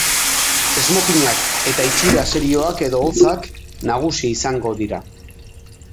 Esmokinak eta itxura serioak edo hotzak nagusi izango dira.